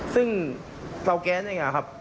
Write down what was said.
ซึ่งเตาแก๊สเองครับ